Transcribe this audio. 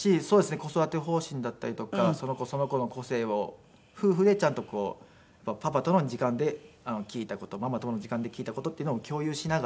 子育て方針だったりとかその子その子の個性を夫婦でちゃんとパパとの時間で聞いた事ママとの時間で聞いた事っていうのを共有しながら。